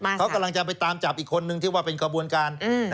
เขากำลังจะไปตามจับอีกคนนึงที่ว่าเป็นกระบวนการ